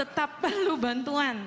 tetap perlu bantuan